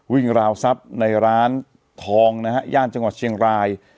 ราวทรัพย์ในร้านทองนะฮะย่านจังหวัดเชียงราย